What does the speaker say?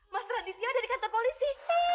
mas raditya ada di kantor polisi